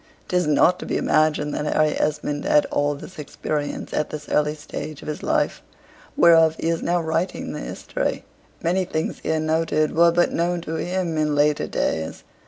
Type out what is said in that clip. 'Tis not to be imagined that Harry Esmond had all this experience at this early stage of his life, whereof he is now writing the history many things here noted were but known to him in later days.